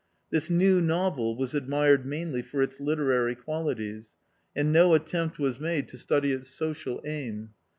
This new novel was admired mainly for its literary qualities and no attempt was made to study its social PREFACE xi aim.